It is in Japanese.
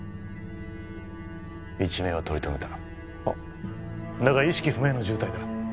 一命は取り留めたあっだが意識不明の重体だ